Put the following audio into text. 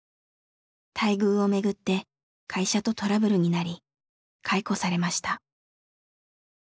待遇をめぐって会社とトラブルになり解雇されました。